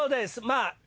まあ。